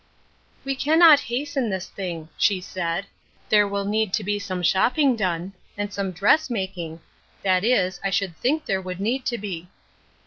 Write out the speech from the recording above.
*' We can not hasten this thing," she said. *■*• There will need to be some shopping done, and Eome dress making — that is, I should think there would need to be."